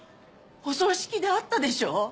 お葬式で会ったでしょ？